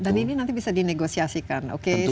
dan ini nanti bisa di negosiasikan